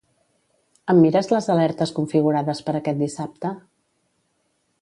Em mires les alertes configurades per aquest dissabte?